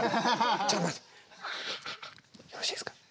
「ちょっと待ってよろしいですか？